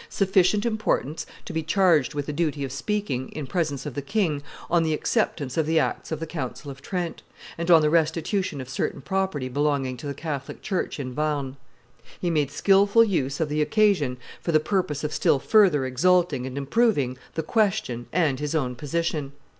sufficient importance to be charged with the duty of speaking, in presence of the king, on the acceptance of the acts of the council of Trent, and on the restitution of certain property belonging to the Catholic church in Warn. He made skilful use of the occasion for the purpose of still further exalting and improving the question and his own position.